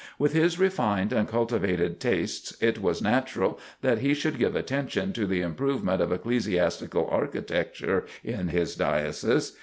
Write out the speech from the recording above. With his refined and cultivated tastes, it was natural that he should give attention to the improvement of ecclesiastical architecture in his Diocese.